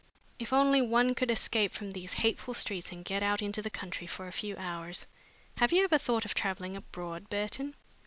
"If only one could escape from these hateful streets and get out into the country for a few hours! Have you ever thought of travelling abroad, Burton?"